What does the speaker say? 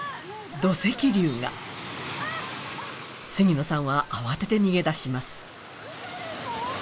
土石流が杉野さんは慌てて逃げ出します